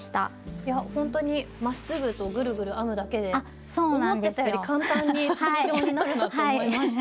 いやほんとにまっすぐとぐるぐる編むだけで思ってたより簡単に筒状になるなと思いました。